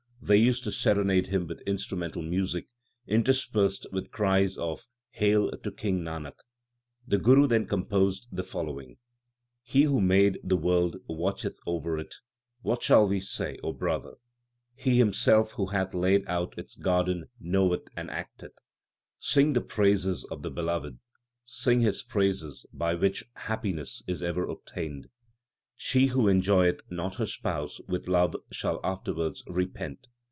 They used to serenade him with instru mental music, interspersed with cries of Hail to King Nanak ! The Guru there composed the fol lowing : He who made the world watcheth over it ; what shall we say, O brother ? He Himself who hath laid out its garden knoweth and acteth. Sing the praises of the Beloved ; sing His praises by which happiness is ever obtained. She who enjoy eth not her Spouse with love shall after wards repent.